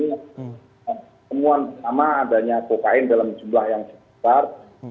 untuk semua sama adanya kokain dalam jumlah yang besar